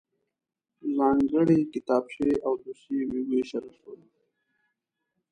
ځانګړی کتابچې او دوسيې وویشل شول.